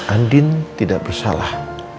andin tidak bersalah